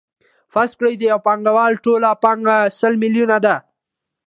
فرض کړئ د یو پانګوال ټوله پانګه سل میلیونه ده